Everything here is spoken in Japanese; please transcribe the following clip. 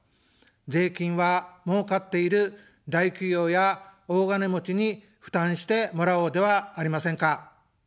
税金はもうかっている大企業や大金持ちに負担してもらおうではありませんか。